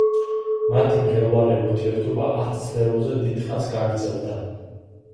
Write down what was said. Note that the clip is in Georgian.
მათი მღელვარე ურთიერთობა ათწლეულზე დიდხანს გაგრძელდა.